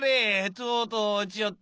とうとう落ちよった。